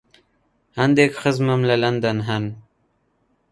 هەندێک خزمم لە لەندەن هەن.